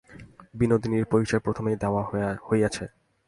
বিনোদিনীর পরিচয় প্রথমেই দেওয়া হইয়াছে।